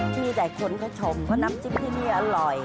ที่แต่คนเขาชมว่าน้ำจิ้มที่นี่อร่อย